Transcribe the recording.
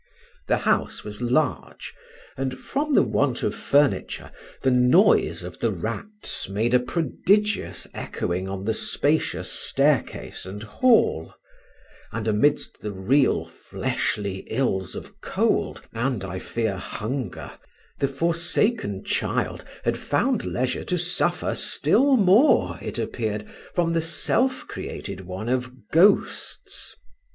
The house was large, and, from the want of furniture, the noise of the rats made a prodigious echoing on the spacious staircase and hall; and amidst the real fleshly ills of cold and, I fear, hunger, the forsaken child had found leisure to suffer still more (it appeared) from the self created one of ghosts.